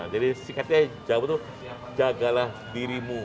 jadi singkatnya jamu itu jagalah dirimu